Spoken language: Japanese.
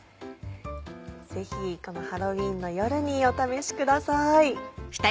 ぜひこのハロウィーンの夜にお試しください。